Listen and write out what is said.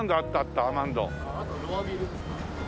あとロアビルですか？